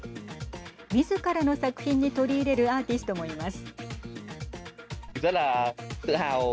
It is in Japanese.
みずからの作品に取り入れるアーティストもいます。